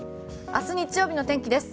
明日、日曜日の天気です。